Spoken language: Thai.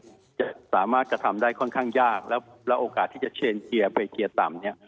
จะสามารถกระทำได้ค่อนข้างยากแล้วแล้วโอกาสที่จะเชิญเชียร์ไปเชียร์ต่ำเนี่ย